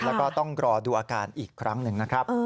แล้วก็ต้องรอดูอาการอีกครั้งหนึ่งนะครับ